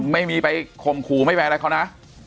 ไม่มีไปข่มขู่ไม่ไปอะไรเขานะ